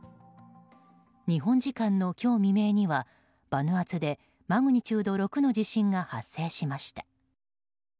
日本時間の今日未明にはバヌアツでマグニチュード６の地震が発生しました。